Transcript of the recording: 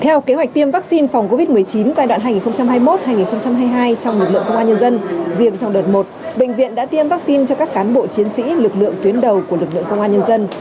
theo kế hoạch tiêm vaccine phòng covid một mươi chín giai đoạn hai nghìn hai mươi một hai nghìn hai mươi hai trong lực lượng công an nhân dân riêng trong đợt một bệnh viện đã tiêm vaccine cho các cán bộ chiến sĩ lực lượng tuyến đầu của lực lượng công an nhân dân